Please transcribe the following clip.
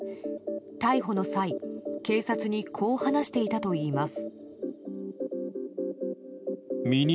逮捕の際警察にこう話していたといいます。